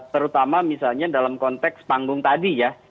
terutama misalnya dalam konteks panggung tadi ya